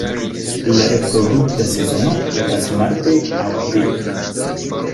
La reprodukta sezono ekas marte aŭ aprile.